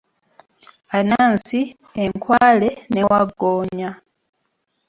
Anansi, enkwale ne wagggoonya